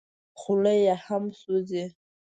خوله یې هم سوځي .